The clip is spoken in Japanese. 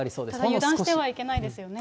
ただ油断してはいけないですよね。